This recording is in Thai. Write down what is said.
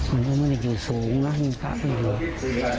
มันก็ไม่ได้อยู่สูงห้ิงพระหรืออะไรอย่างนี้